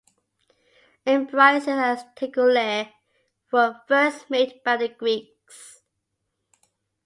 Imbrices and tegulae were first made by the Greeks.